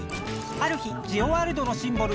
ある日ジオワールドのシンボル